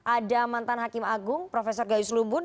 ada mantan hakim agung profesor gayus lumbun